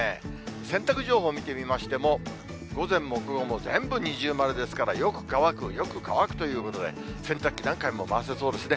洗濯情報見てみましても、午前も午後も全部二重丸ですから、よく乾く、よく乾くということで、洗濯機、何回も回せそうですね。